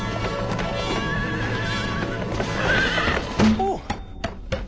おう。